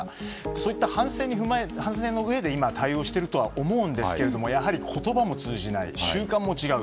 そういった反省のうえで対応してるとは思うんですけどやはり言葉も通じない習慣も違う。